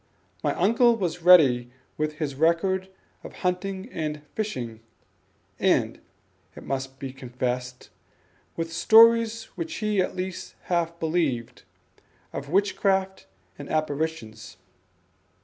My uncle was ready with his record of hunting and fishing and, it must be confessed, with stories which he at least half believed, of witchcraft and apparitions.